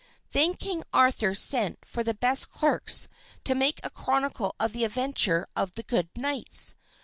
Then King Arthur sent for the best clerks to make a chronicle of the adventures of the good knights.